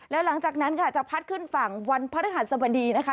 แล้วหลังจากนั้นค่ะจะพัดขึ้นฝั่งวันพระฤหัสบดีนะคะ